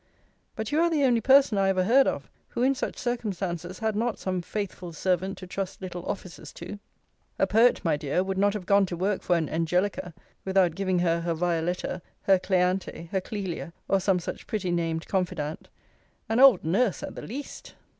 But you are the only person I ever heard of, who in such circumstances had not some faithful servant to trust little offices to. A poet, my dear, would not have gone to work for an Angelica, without giving her her Violetta, her Cleante, her Clelia, or some such pretty named confidant an old nurse at the least.